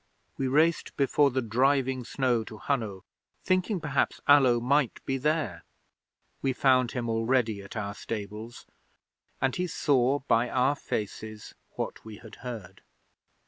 We raced before the driving snow to Hunno, thinking perhaps Allo might be there. We found him already at our stables, and he saw by our faces what we had heard.